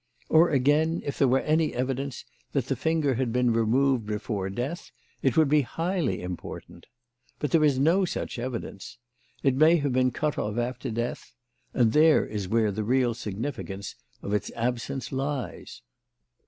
Or, again, if there were any evidence that the finger had been removed before death, it would be highly important. But there is no such evidence. It may have been cut off after death, and there is where the real significance of its absence lies."